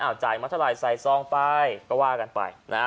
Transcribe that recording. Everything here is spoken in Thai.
อ่าวจ่ายมัตรไลน์ใส่ซองไปก็ว่ากันไปนะฮะ